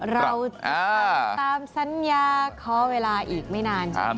เราตามสัญญาขอเวลาอีกไม่นานใช่ไหม